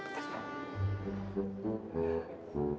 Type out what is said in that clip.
aduh udah gue minta alat dulu ya